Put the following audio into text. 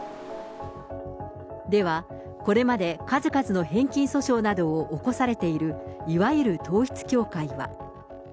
では、これまで数々の返金訴訟などを起こされているいわゆる統一教会は。